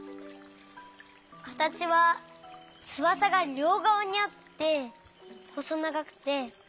かたちはつばさがりょうがわにあってほそながくて。